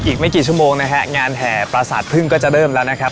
อีกไม่กี่ชั่วโมงนะฮะงานแห่ประสาทพึ่งก็จะเริ่มแล้วนะครับ